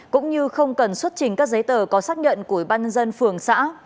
cũng như không cần xuất trình các giấy tờ có xác nhận của ủy ban nhân dân phường xã